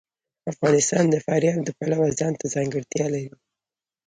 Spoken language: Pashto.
افغانستان د فاریاب د پلوه ځانته ځانګړتیا لري.